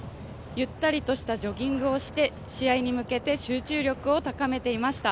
ゆったりとしたジョギングをして、試合に向け集中力を高めていました。